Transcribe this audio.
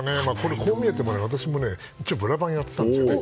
こう見えても私もブラバンやってたんですよね。